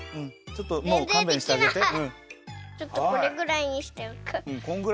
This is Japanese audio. ちょっとこれぐらいにしておく。